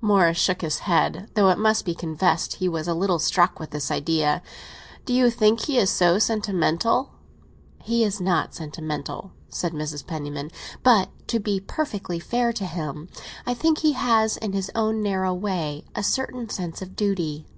Morris shook his head, though it must be confessed he was a little struck with this idea. "Do you think he is so sentimental?" "He is not sentimental," said Mrs. Penniman; "but, to be perfectly fair to him, I think he has, in his own narrow way, a certain sense of duty."